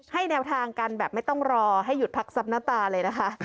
แนวทางกันแบบไม่ต้องรอให้หยุดพักซับหน้าตาเลยนะคะ